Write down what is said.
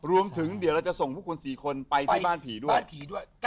รวมถึงเดี๋ยวเราจะส่งพวกคุณสี่คนไปบ้านผีด้วย